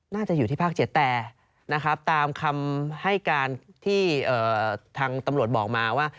น่าจะอยู่ที่ภาค๗แต่นะครับตามคำให้การที่ทางตำรวจบอกมาว่า